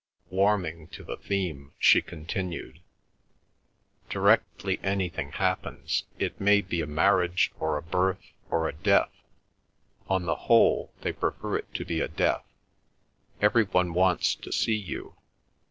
Warming to the theme, she continued: "Directly anything happens—it may be a marriage, or a birth, or a death—on the whole they prefer it to be a death—every one wants to see you.